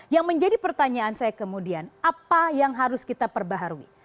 yang menjadi pertanyaan saya kemudian apa yang harus kita perbaharui